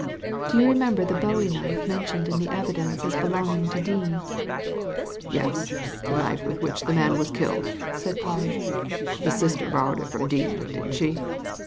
Do you remember the bowie knife mentioned in the evidence as belong ing to Dean ?" "Yes, the knife with which the man was killed," said Parge. "The sister borrowed it from Dean, didn't she